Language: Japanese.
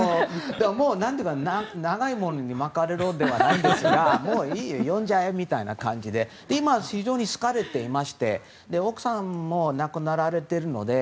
長いものに巻かれろではないですがもういいよ呼んじゃえみたいな感じで今、非常に好かれていて奥さんも亡くなられているので。